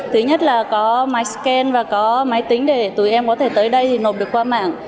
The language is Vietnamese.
thứ nhất là có máy scan và có máy tính để tụi em có thể tới đây thì nộp được qua mạng